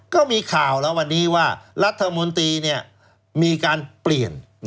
ก็มีข่าวแล้ววันนี้ว่ารัฐมนตรีมีการเปลี่ยน